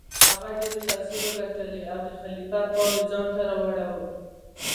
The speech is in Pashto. هغه ډیرې پیسې وګټلې او د خلیفه پام یې ځانته راواړوه.